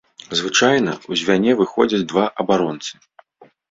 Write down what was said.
Звычайна ў звяне выходзяць два абаронцы.